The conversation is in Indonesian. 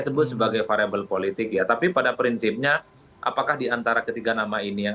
sebut sebagai variable politik ya tapi pada prinsipnya apakah diantara ketiga nama ini yang